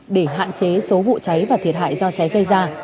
để hạn chế số vụ cháy và thiệt hại do cháy gây ra